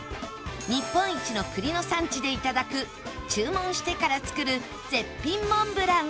日本一の栗の産地で頂く注文してから作る絶品モンブラン